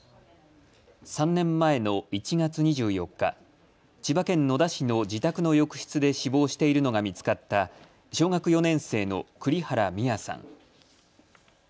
３年前の１月２４日、千葉県野田市の自宅の浴室で死亡しているのが見つかった小学４年生の栗原心愛さん。